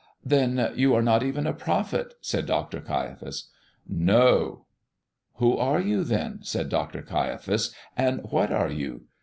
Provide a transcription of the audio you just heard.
Then you are not even a prophet?" said Dr. Caiaphas. "No." "Who are you, then?" said Dr. Caiaphas; "and what are you?